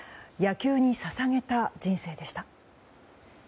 野球に捧げた人生でした。